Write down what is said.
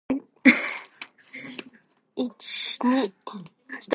Seven elections of the Seimas have been held in Lithuania since independence.